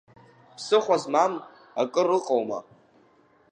Ԥсыхәа змам акыр ыҟоума…